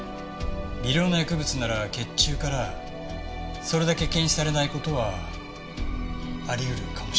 微量の薬物なら血中からそれだけ検出されない事はあり得るかもしれません。